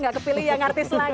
gak kepilih ya ngartis lagi